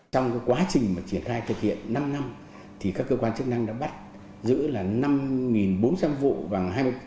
trong quá trình triển khai thực hiện năm năm các cơ quan chức năng đã bắt giữ là năm bốn trăm linh vụ bằng